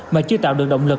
mà chưa tạo được động lực